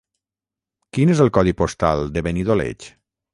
Quin és el codi postal de Benidoleig?